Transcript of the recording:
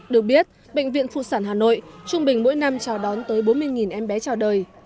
được biết bệnh viện phụ sản hà nội trung bình mỗi năm chào đón tới bốn mươi em bé chào đời